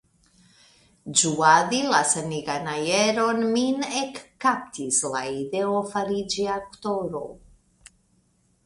Ĝuadi la sanigan aeron, min ekkaptis la ideo fariĝi aktoro.